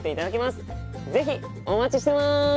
是非お待ちしてます。